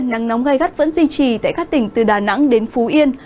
nắng nóng gai gắt vẫn duy trì tại các tỉnh từ đà nẵng đến phú yên